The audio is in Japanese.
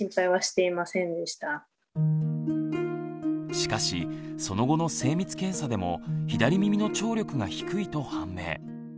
しかしその後の精密検査でも左耳の聴力が低いと判明。